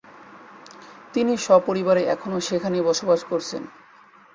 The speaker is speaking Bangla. তিনি সপরিবারে এখনও সেখানেই বসবাস করছেন।